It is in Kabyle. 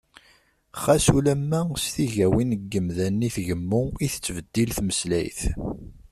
Xas ulamma s tigawin n yimdanen i tgemmu, i tettbeddil tmeslayt.